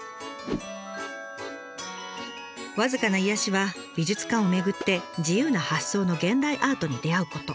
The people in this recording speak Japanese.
僅かな癒やしは美術館を巡って自由な発想の現代アートに出会うこと。